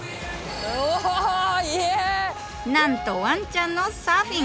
なんとわんちゃんのサーフィン！